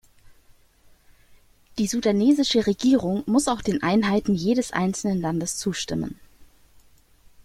Die sudanesische Regierung muss auch den Einheiten jedes einzelnen Landes zustimmen.